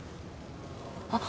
あっ。